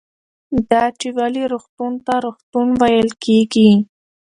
دا چې ولې روغتون ته روغتون ویل کېږي